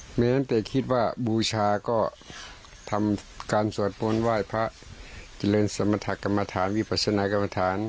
เพราะฉะนั้นแต่คิดว่าบูชาก็ทำการสวดมนต์ไหว้พระเจริญสมรรถกรรมฐานวิปัสนากรรมฐาน